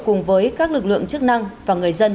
cùng với các lực lượng chức năng và người dân